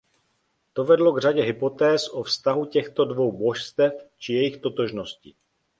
To vedlo k řadě hypotéz o vztahu těchto dvou božstev či jejich totožnosti.